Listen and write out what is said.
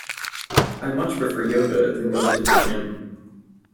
I much prefer yoga than going to the gym